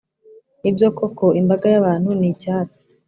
Ni byo koko, imbaga y’abantu ni icyatsi: